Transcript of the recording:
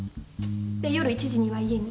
で夜１時には家に。